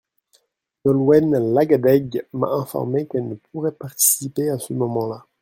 Nolwenn Lagadeg m’a informé qu’elle ne pourrait participer à ce moment-là.